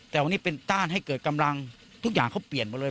แต่วันนี้เป็นต้านให้เกิดกำลังทุกอย่างเขาเปลี่ยนหมดเลย